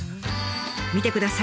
見てください！